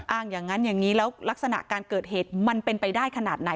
อย่างนั้นอย่างนี้แล้วลักษณะการเกิดเหตุมันเป็นไปได้ขนาดไหน